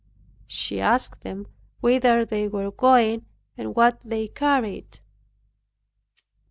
She asked them whither they were going and what they carried.